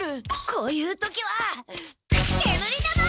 こういう時は煙玉！